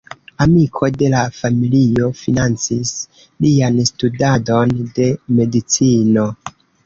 Amiko de la familio financis lian studadon de medicino.